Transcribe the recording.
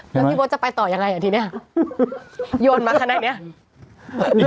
แล้วพี่โบ๊ทจะไปต่ออย่างไรอะทีนี้โยนมาขนาดเนี้ย